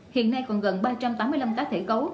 hiện nay còn gần ba trăm tám mươi năm cá thể gấu